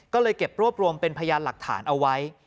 ก็เลยเก็บรวบรวมเป็นพยานหลักฐานเอาไว้